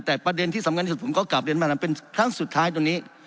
แต่ประเด็นที่สำคัญที่สุดผมก็กลับเรียนมานั้นเป็นครั้งสุดท้ายตรงนี้